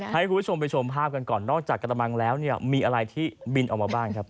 ให้คุณผู้ชมไปชมภาพกันก่อนนอกจากกระมังแล้วเนี่ยมีอะไรที่บินออกมาบ้างครับ